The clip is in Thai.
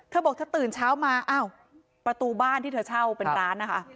เธอบอกเธอตื่นเช้ามาอ้าวประตูบ้านที่เธอเช่าเป็นร้านนะคะ